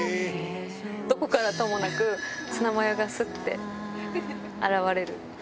どこからともなく、ツナマヨがすって現れる。